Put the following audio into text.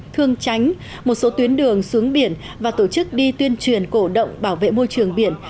thương chánh một số tuyến đường xuống biển và tổ chức đi tuyên truyền cổ động bảo vệ môi trường biển